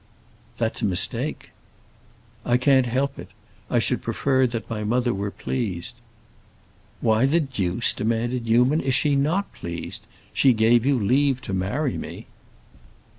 "That's a mistake." "I can't help it. I should prefer that my mother were pleased." "Why the deuce," demanded Newman, "is she not pleased? She gave you leave to marry me."